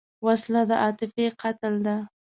وسله د عاطفې قتل ده